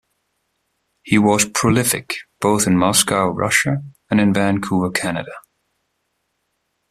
He was prolific both in Moscow, Russia and in Vancouver, Canada.